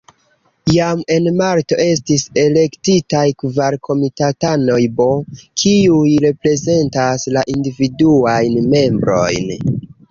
Jam en marto estis elektitaj kvar komitatanoj B, kiuj reprezentas la individuajn membrojn.